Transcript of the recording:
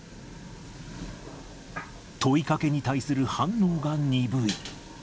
問いかけに対する反応が鈍い。